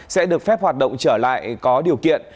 sẽ được phép hoạt động trở lại có điều kiện